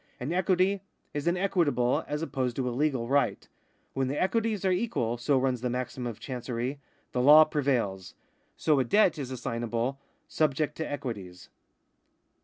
An equity is an equitable, as opposed to a legal right. " When the equities are equal," so runs the maxim of Chancery, " the law prevails." So a debt is assignable " subject to equities."